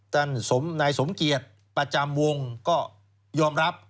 นายสมเกียจประจำวงก็ยอมรับ